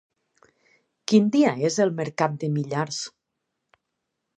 Quin dia és el mercat de Millars?